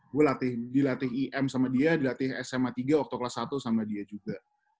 gue dilatih im sama dia dilatih sma tiga waktu kelas satu sama dia juga